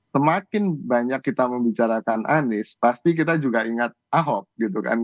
semakin banyak kita membicarakan anies pasti kita juga ingat ahok gitu kan